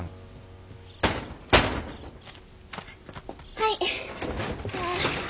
はい。